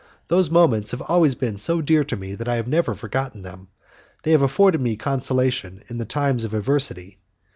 Those moments have always been so dear to me that I have never forgotten them, they have afforded me consolation in the time of adversity.